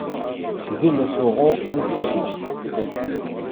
Sgel asuɣu am teqcict.